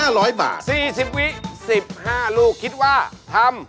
๔๐วินาที๑๕ลูกคิดว่าทำ